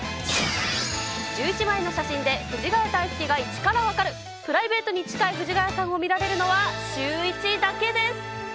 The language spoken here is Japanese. １１枚の写真で藤ヶ谷太輔が１から分かる、プライベートに近い藤ヶ谷さんが見られるのは、シューイチだけです。